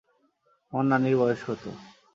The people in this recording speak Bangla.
তোমার নানীর বয়স কত?